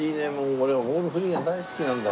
俺オールフリーが大好きなんだ。